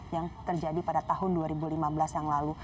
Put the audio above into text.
yang terjadi pada tahun dua ribu lima belas yang lalu